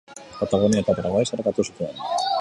Patagonia eta Paraguai zeharkatu zituen.